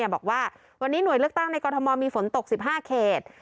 บอกว่าวันนี้หน่วยเลือกตั้งในกรทมมีฝนตก๑๕เขต